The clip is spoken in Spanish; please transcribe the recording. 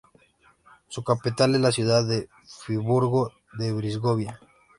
Su capital es la ciudad de Friburgo de Brisgovia.